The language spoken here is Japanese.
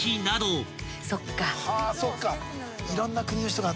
そっか。